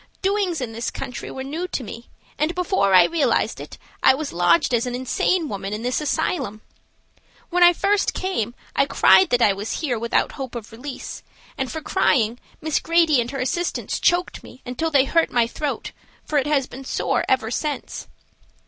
Doings in this country were new to me, and before I realized it I was lodged as an insane woman in this asylum. When I first came I cried that I was here without hope of release, and for crying Miss Grady and her assistants choked me until they hurt my throat, for it has been sore ever since."